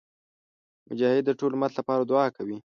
مجاهد د ټول امت لپاره دعا کوي.